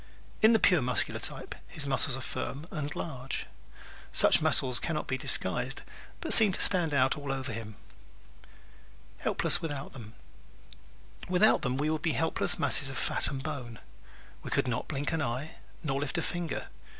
In the pure Muscular type his muscles are firm and large. Such muscles can not be disguised but seem to stand out all over him. Helpless Without Them ¶ Without them we would be helpless masses of fat and bone; we could not blink an eye nor lift a finger.